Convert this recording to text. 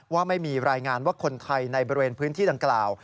ว่าไม่มีรายงานว่าคนไทยในบริเวณพื้นที่ดังกล่าว